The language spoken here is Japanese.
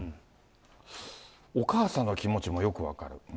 お母さんの気持ちもよく分かる。